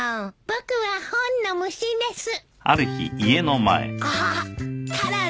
僕は本の虫です。